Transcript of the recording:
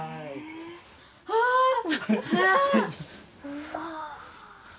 うわ。